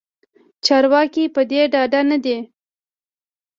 چارواکې پدې ډاډه ندي